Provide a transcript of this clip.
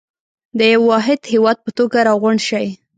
د يوه واحد هېواد په توګه راغونډ شئ.